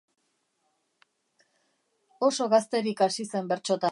Oso gazterik hasi zen bertsotan.